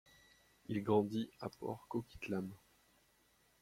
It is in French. Il grandit à Port Coquitlam.